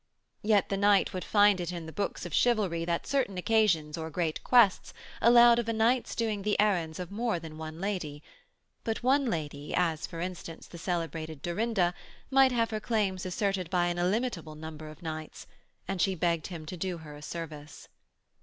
Yet the knight would find it in the books of chivalry that certain occasions or great quests allowed of a knight's doing the errands of more than one lady: but one lady, as for instance the celebrated Dorinda, might have her claims asserted by an illimitable number of knights, and she begged him to do her a service.